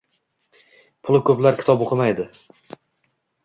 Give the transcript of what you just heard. Puli ko’plar kitob o’qimaydi.